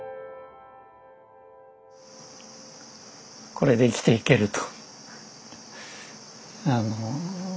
これで生きていけると。